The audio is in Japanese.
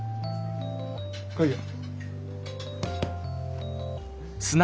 来いよ。